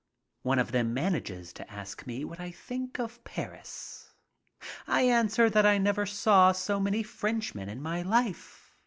One of them manages to ask me what I think of Paris. I answer that I never saw so many Frenchmen in my life.